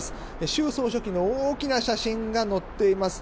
習総書記の大きな写真が載っています。